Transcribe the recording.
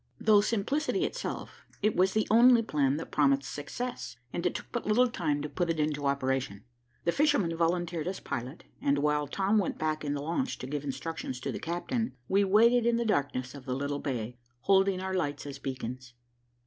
Though simplicity itself, it was the only plan that promised success, and it took but little time to put it into operation. The fisherman volunteered as pilot, and while Tom went back in the launch to give instructions to the captain, we waited in the darkness of the little bay, holding our lights as beacons.